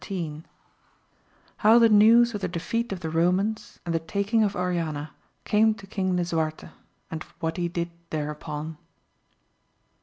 — How the news of the defeat of the Xtomans, and the taking of Oriana came to King Lisuarte, and of what he did thereupon.